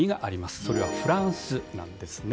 それはフランスなんですね。